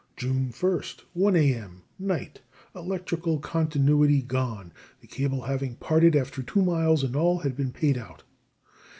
June 1st. 1 A.M. (night), electrical continuity gone, the cable having parted after two miles in all had been paid out.